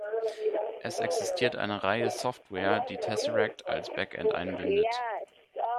Es existiert eine Reihe Software, die Tesseract als Backend einbindet.